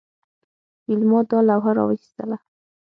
ویلما دا لوحه راویستله